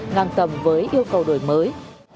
ngang cầm với yêu cầu đổi mới